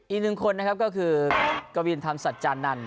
อีกหนึ่งคนนะครับก็คือกวินธรรมสัจจานันท